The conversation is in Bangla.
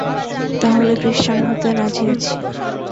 তা হলে ক্রিশ্চান হতে রাজি আছি।